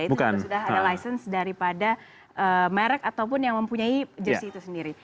itu juga sudah ada license daripada merek ataupun yang mempunyai jersi itu sendiri